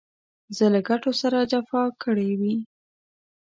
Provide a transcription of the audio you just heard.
زه له ګټو سره جفا کړې وي.